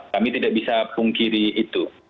kami tidak bisa pungkiri itu